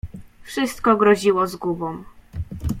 Wszystko groziło zgubą.